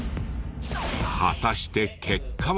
果たして結果は。